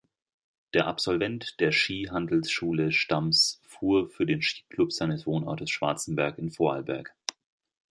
Der Absolvent der Skihandelsschule Stams fuhr für den Skiclub seines Wohnortes Schwarzenberg in Vorarlberg.